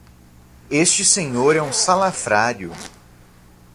Este senhor é um salafrário!